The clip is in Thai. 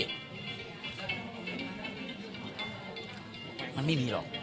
มันไม่มีหรอก